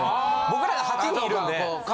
僕らが８人いるんで。